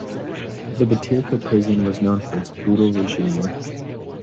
The Butyrka prison was known for its brutal regime.